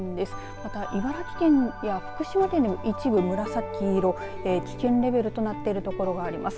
また茨城県や福島県にも一部紫色危険レベルとなっているところがあります。